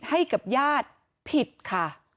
ให้กับญาติผิดค่ะ